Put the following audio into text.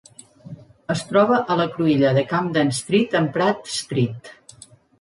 Es troba a la cruïlla de Camden Street amb Pratt Street.